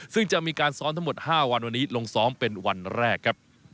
ซึ่งจะมีการซ้อมทั้งหมด๕วันวันนี้ลงซ้อมเป็นวันแรกครับ